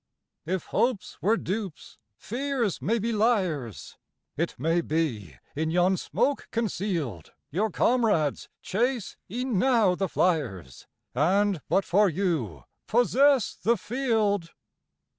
If hopes were dupes, fears may be liars; It may be, in yon smoke concealed, Your comrades chase e'en now the fliers, And, but for you, possess the field.